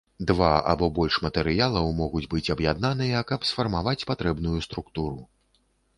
Два або больш матэрыялаў могуць быць аб'яднаныя, каб сфармаваць патрэбную структуру.